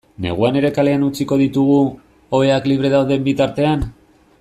Neguan ere kalean utziko ditugu, oheak libre dauden bitartean?